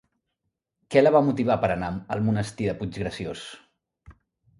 Què la va motivar per anar al monestir de Puiggraciós?